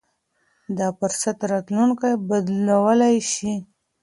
دا فرصت راتلونکی بدلولای شي.